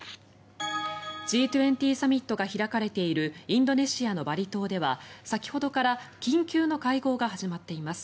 Ｇ２０サミットが開かれているインドネシアのバリ島では先ほどから緊急の会合が始まっています。